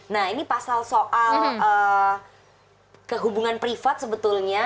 nah ini pasal soal kehubungan privat sebetulnya